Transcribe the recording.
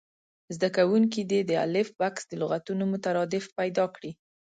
زده کوونکي دې د الف بکس د لغتونو مترادف پیدا کړي.